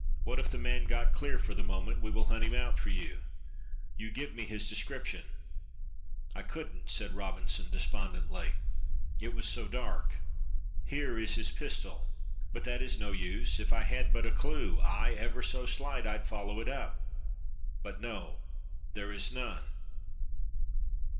"What if the man got clear for the moment, we will hunt him out for you. You give me his description." "I couldn't," said Robinson, despondingly. "It was so dark! Here is his pistol, but that is no use. If I had but a clew, ay, ever so slight, I'd follow it up; but no, there is none.